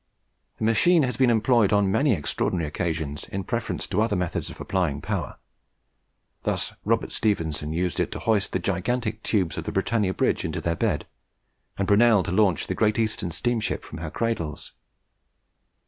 The machine has been employed on many extraordinary occasions in preference to other methods of applying power. Thus Robert Stephenson used it to hoist the gigantic tubes of the Britannia Bridge into their bed, and Brunel to launch the Great Eastern steamship from her cradles.